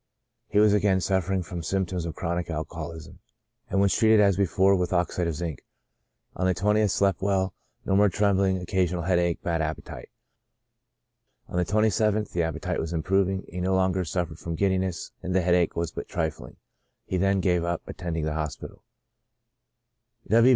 He was again suffer ing from symptoms of chronic alcoholism, and was treated •Il8 CHRONIC ALCOHOLISM. as before with oxide of zinc. On the 20th, slept well, no more trembling, occasional headache ; bad appetite. On the 27th, the appetite was improving ; he no longer suffered from giddiness, and the headache was but trifling. He then gave up attending the hospital.